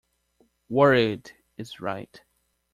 Worried is right.